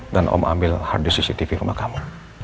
dan saya ambil hard disk cctv rumah kamu